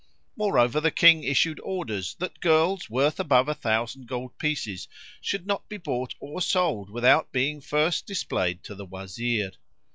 Moreover the King issued orders that girls worth above a thousand gold pieces should not be bought or sold without being first displayed to the Wazir.